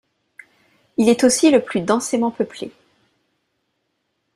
Il est aussi le plus densément peuplé.